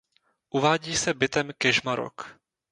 Uvádí se bytem Kežmarok.